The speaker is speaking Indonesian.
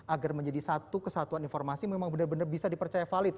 agar menjadi satu kesatuan informasi memang benar benar bisa dipercaya valid